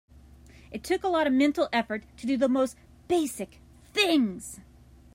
It took a lot of mental effort to do the most basic things.